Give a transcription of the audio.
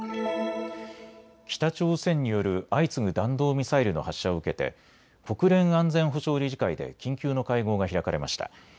北朝鮮による相次ぐ弾道ミサイルの発射を受けて国連安全保障理事会で緊急の会合が開かれました。